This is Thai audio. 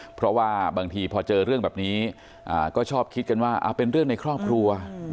เพราะว่าบางทีพอเจอเรื่องแบบนี้ก็ชอบคิดกันว่าเป็นเรื่องในครอบครัว